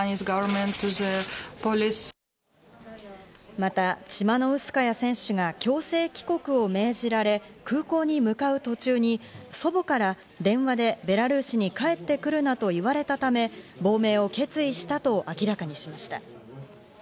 また、チマノウスカヤ選手が強制帰国を命じられ、空港に向かう途中に祖母から電話でベラルーシに帰ってくるなと言われたため、亡命を決意したと明らかにしました。